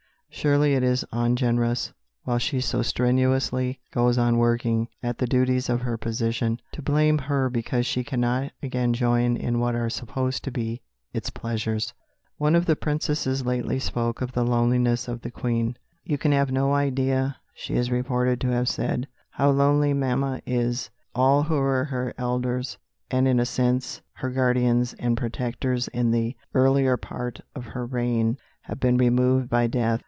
Surely it is ungenerous, while she so strenuously goes on working at the duties of her position, to blame her because she cannot again join in what are supposed to be its pleasures. One of the princesses lately spoke of the loneliness of the Queen. "You can have no idea," she is reported to have said, "how lonely mamma is." All who were her elders, and in a sense her guardians and protectors in the earlier part of her reign, have been removed by death.